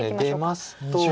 出ますと。